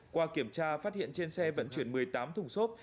qua kiểm tra phát hiện trên xe vận chuyển một mươi tám thùng xốp